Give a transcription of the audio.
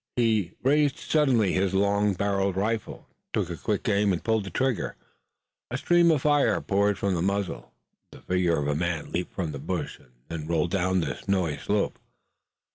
He raised suddenly his long barreled rifle, took a quick aim, and pulled the trigger. A stream of fire poured from the muzzle, the figure of a man leaped from the bush and then rolled down the snowy slope.